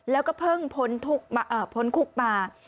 แล้วก็เพิ่งพ้นคุกมา